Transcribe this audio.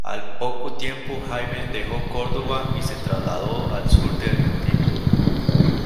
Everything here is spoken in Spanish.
Al poco tiempo Jaime dejó Córdoba y se trasladó al sur de Argentina.